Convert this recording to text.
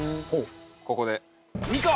ここで。